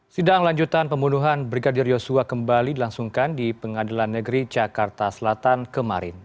sidang lanjutan pembunuhan brigadir yosua kembali dilangsungkan di pengadilan negeri jakarta selatan kemarin